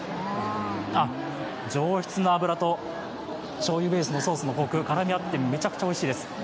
あ、上質な脂としょうゆベースのソースのコク、絡み合ってめちゃくちゃおいしいです。